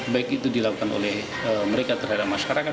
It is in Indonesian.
baik itu dilakukan oleh mereka terhadap masyarakat